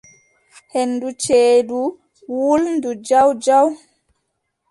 Henndu ceeɗu wulndu jaw jaw.